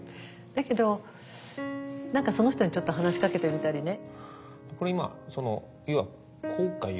だけど何かその人にちょっと話しかけてみたりね。